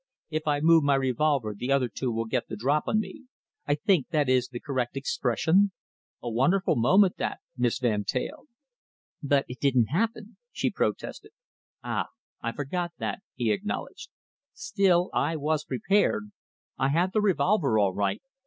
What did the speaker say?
If I move my revolver the other two will get the drop on me I think that is the correct expression? A wonderful moment, that, Miss Van Teyl!" "But it didn't happen," she protested. "Ah! I forgot that," he acknowledged. "Still, I was prepared, I had the revolver all right.